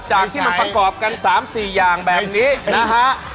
จากที่มันประกอบกัน๓๔อย่างแบบนี้นะฮะ